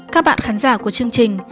các bạn khán giả của chương trình